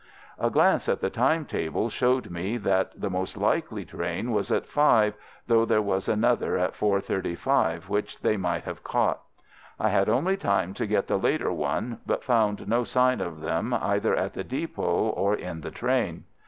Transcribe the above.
"A glance at the time table showed me that the most likely train was at five, though there was another at 4.35 which they might have caught. I had only time to get the later one, but found no sign of them either at the depôt or in the train.